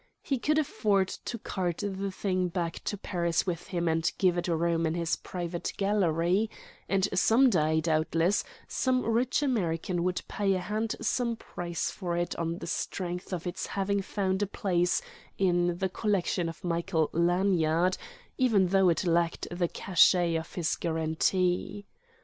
He could afford to cart the thing back to Paris with him and give it room in his private gallery; and some day, doubtless, some rich American would pay a handsome price for it on the strength of its having found place in the collection of Michael Lanyard, even though it lacked the cachet of his guarantee.